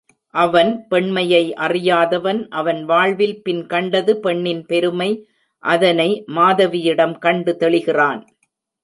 அவன் பெண்மையை அறியாதவன் அவன் வாழ்வில் பின் கண்டது பெண்ணின் பெருமை அதனை மாதவியிடம் கண்டு தெளிகிறான்.